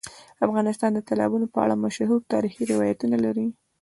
افغانستان د تالابونو په اړه مشهور تاریخی روایتونه لري.